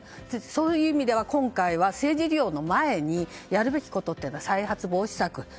そういう意味では今回は政治利用の前にやるべきことは再発防止策。